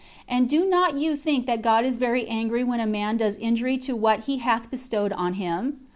And do not you think that God is very angry when a man does injury to what he hath bestowed on him?